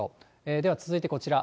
では続いてこちら。